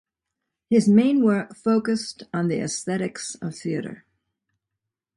His main work focused on the aesthetics of theatre.